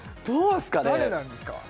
誰なんですか？